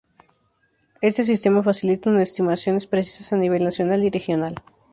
Este sistema facilita una estimaciones precisas a nivel nacional y regional.